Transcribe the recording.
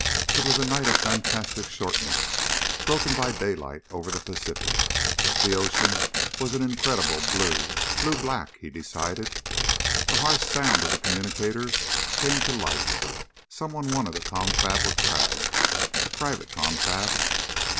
It was a night of fantastic shortness, broken by daylight over the Pacific. The ocean was an incredible blue, blue black he decided. The harsh sound of the communicator came to life. Someone wanted a confab with Crag. A private confab.